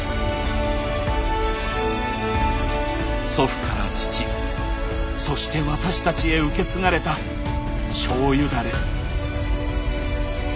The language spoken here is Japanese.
祖父から父そして私たちへ受け継がれた「醤油ダレ」。